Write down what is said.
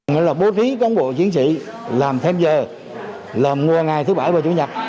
nó là bố trí công bộ chiến sĩ làm thêm giờ làm mua ngày thứ bảy và chủ nhật